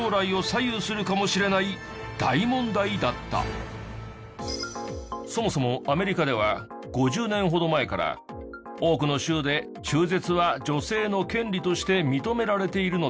実はこれそもそもアメリカでは５０年ほど前から多くの州で中絶は女性の権利として認められているのですが。